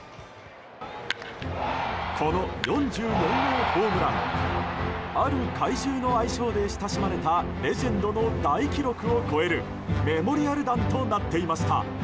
この４４号ホームランある怪獣の愛称で親しまれたレジェンドの大記録を超えるメモリアル弾となっていました。